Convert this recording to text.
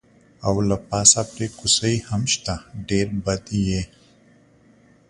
او له پاسه پرې کوسۍ هم شته، ډېر بد یې.